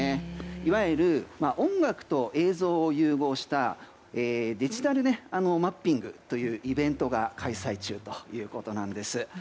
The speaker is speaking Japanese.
いわゆる音楽と映像を融合したデジタルマッピングというイベントが開催中ということなんです。